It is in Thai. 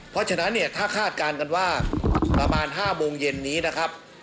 เพราะฉะนั้นเนี่ยถ้าคาดการณ์กันว่าประมาณ๕โมงเย็นนี้นะครับ